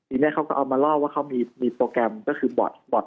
ทีนี้เขาก็เอามาเล่าว่าเขามีโปรแกรมก็คือบอร์ดบอด